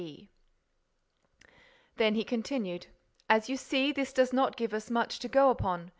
e Then he continued: "As you see, this does not give us much to go upon.